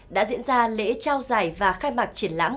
đã diễn ra lễ trao giải và khai mạc triển lãm